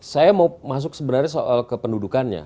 saya mau masuk sebenarnya soal kependudukannya